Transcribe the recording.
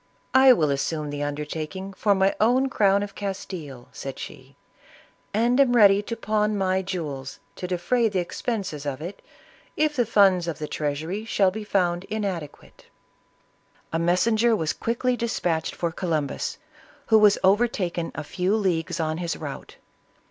" I will assume the undertaking for my own crown of Castile," said she, " and am ready to pawn my jewels to defray the expenses of it, if the funds of the treasury shall be found inadequate I" A messenger was quickly dispatched for Columbus, who was overtaken a few leagues on his route.